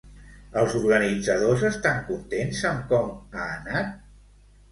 Els organitzadors estan contents amb com ha anat?